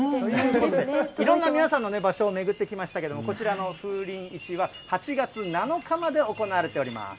いろんな皆さんの場所を巡ってきましたけれども、こちらの風鈴市は、８月７日まで行われております。